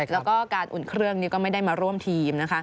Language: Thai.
แล้วก็การอุ่นเครื่องนี้ก็ไม่ได้มาร่วมทีมนะคะ